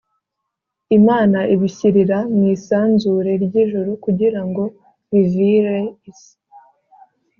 Imana ibishyirira mu isanzure ry’ijuru kugira ngo bivire isi,